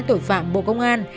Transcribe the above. tội phạm bộ công an